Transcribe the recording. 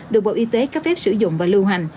được bộ y tế cấp phép sử dụng và lưu hành